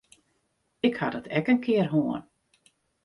Ik ha dat ek in kear hân.